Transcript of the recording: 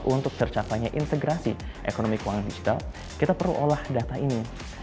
untuk tercapainya integrasi ekonomi keuangan digital kita perlu olah data ini